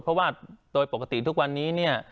เพราะว่าโดยปกติทุกวันนี้เนี่ย